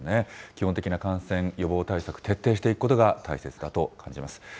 基本的な感染予防対策を徹底していくことが大切だと感じます。